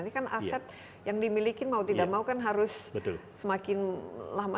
ini kan aset yang dimiliki mau tidak mau kan harus semakin lama